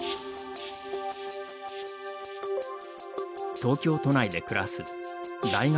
東京都内で暮らす大学